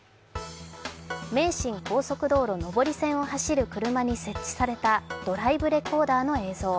名神高速道路上り線を走る車に設置されたドライブレコーダーの映像。